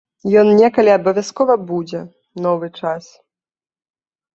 Ён некалі абавязкова будзе, новы час.